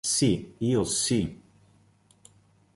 Si io si!